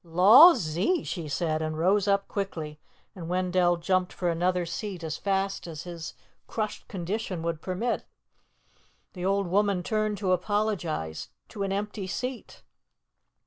"Laws ee!" she said, and rose up quickly, and Wendell jumped for another seat as fast as his crushed condition would permit. The old woman turned to apologize to an empty seat!